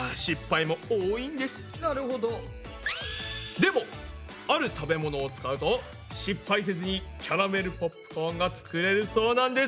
でもある食べ物を使うと失敗せずにキャラメルポップコーンが作れるそうなんです。